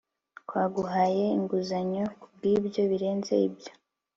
Twaguhaye inguzanyo kubwibyo birenze ibyo